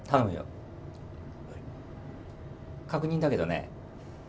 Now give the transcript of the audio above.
確認だけどね